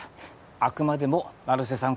あくまでも成瀬さん